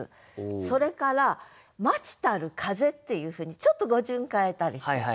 それから「待ちたる風」っていうふうにちょっと語順変えたりしてる。